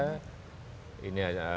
ini masalah yang berkaitan dengan produktivitas